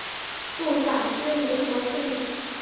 步法之灵活性。